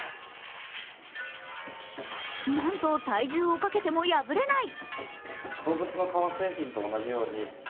なんと体重をかけても破れない。